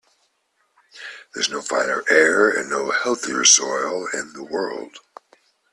There is no finer air and no healthier soil in the world